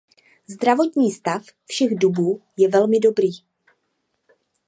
Zdravotní stav všech dubů je velmi dobrý.